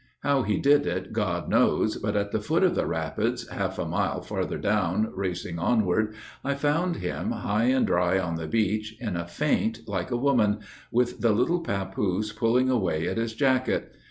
How he did it God knows, but at the foot of the rapids, Half a mile farther down racing onward, I found him High and dry on the beach in a faint like a woman, With the little papoose pulling away at his jacket.